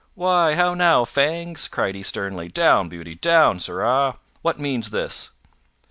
"Why, how now, Fangs!" cried he sternly. "Down, Beauty! Down, sirrah! What means this?"